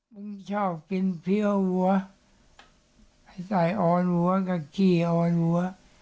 มึงชอบกินผิวหัวใส่ออนหัวกับขี้ออนหัว